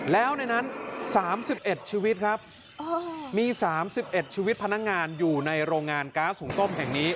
แล้วในนั้น๓๑ชีวิตครับมี๓๑ชีวิตพนักงานอยู่ในโรงงานก๊าซหุงต้มแห่งนี้